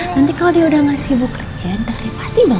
nanti kalau dia udah gak sibuk kerja ntar pasti nggak